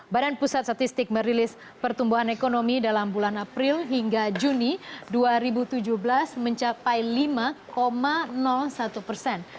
badan pusat statistik merilis pertumbuhan ekonomi dalam bulan april hingga juni dua ribu tujuh belas mencapai lima satu persen